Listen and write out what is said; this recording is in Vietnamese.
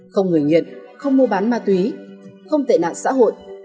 không người nghiện không mua bán ma túy không tệ nạn xã hội